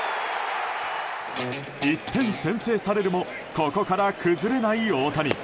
１点先制されるもここから崩れない大谷。